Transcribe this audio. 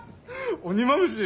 鬼マムシ！